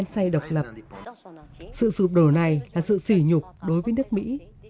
sự sụp đổ này là sự xỉ nhục đối với nước mỹ